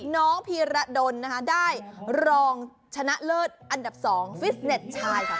น้องพีราดนได้รองชนะเลิศอันดับ๒ฟิสเน็ตชาย